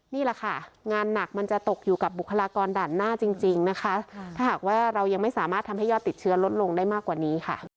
นี่แหละค่ะงานหนักมันจะตกอยู่กับบุคลากรด่านหน้าจริงนะคะถ้าหากว่าเรายังไม่สามารถทำให้ยอดติดเชื้อลดลงได้มากกว่านี้ค่ะ